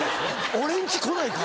俺ん家来ないか？